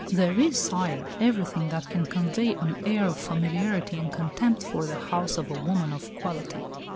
There is, sire, everything that can convey an air of familiarity and contempt for the house of a woman of quality."